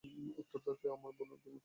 উত্তর থাকলে আমাকে বলুন তুমি উত্তর চাও?